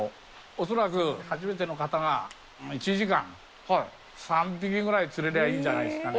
恐らく、初めての方が１時間、３匹ぐらい釣れりゃいいんじゃないですかね。